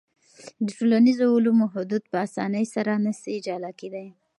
د ټولنیزو علومو حدود په اسانۍ سره نسي جلا کېدای.